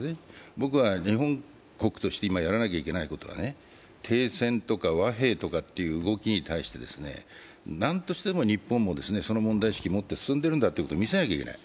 今、日本国としてやらなければならないことは、停戦とか和平とかいう動きに対して日本もその問題意識を持って進んでいるんだということを見せないといけない。